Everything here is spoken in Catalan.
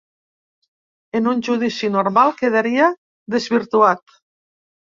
En un judici normal quedaria desvirtuat.